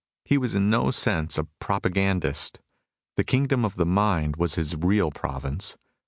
He was in no sense a propagandist ; the kingdom of the mind was his real province.